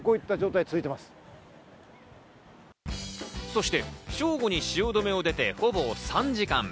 そして正午に汐留を出てほぼ３時間。